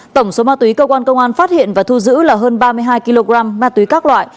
tổng số ma túy cơ quan công an phát hiện và thu giữ là hơn ba mươi hai kg ma túy các loại